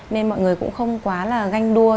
nên mọi người cũng không quá là ganh đua